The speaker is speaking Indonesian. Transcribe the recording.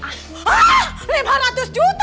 ah lima ratus juta